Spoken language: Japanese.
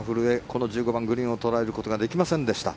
この１５番、グリーンを捉えることができませんでした。